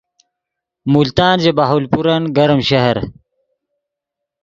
ملتان ژے بہاولپورن گرم شہر